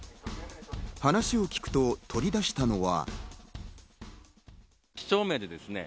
話を聞くと、取り出したのは。